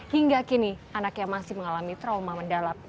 hingga kini anaknya masih mengalami trauma mendalam